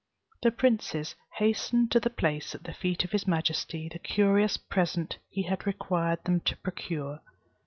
The princes hastened to place at the feet of his majesty the curious present he had required them to procure.